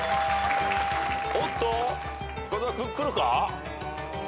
おっと深澤君くるか？